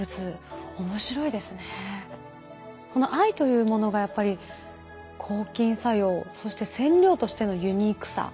この藍というものがやっぱり抗菌作用そして染料としてのユニークさ。